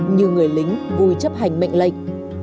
như người lính vui chấp hành mệnh lệnh